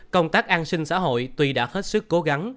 công tác an sinh xã hội tuy đã hết sức cố gắng